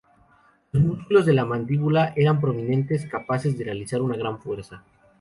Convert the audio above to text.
Los músculos de la mandíbula eran prominentes, capaces de realizar una gran fuerza.